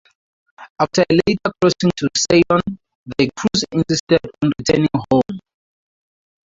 After a later crossing to Ceylon, the crews insisted on returning home.